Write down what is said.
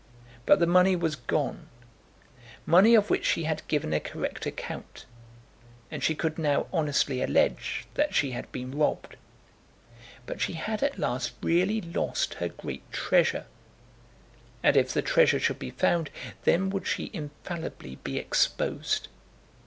But the money was gone, money of which she had given a correct account; and she could now honestly allege that she had been robbed. But she had at last really lost her great treasure; and if the treasure should be found, then would she infallibly be exposed.